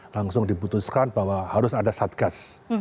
langsung diputuskan bahwa harus ada satgas